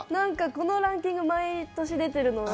このランキング、毎年見ているのは